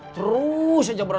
terus aja bersin